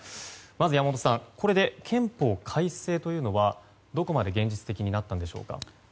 まず山本さん、これで憲法改正はどこまで現実的になったんでしょうか。